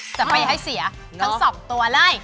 จับไปให้เสียทั้ง๒ตัวเลย